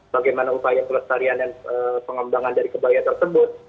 bagaimana upaya pelestarian dan pengembangan dari kebaya tersebut